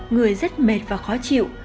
người rất mệt và khó chịu